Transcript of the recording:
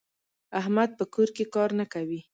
احمد په کور کې کار نه کوي.